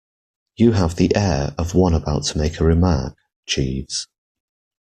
You have the air of one about to make a remark, Jeeves.